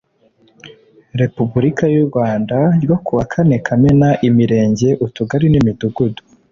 Repubulika y u Rwanda ryo ku wa kane Kamena Imirenge Utugari n Imidugudu